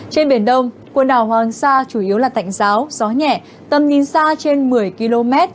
trên biển đông quần đảo hoàng sa chủ yếu là tạnh giáo gió nhẹ tầm nhìn xa trên một mươi km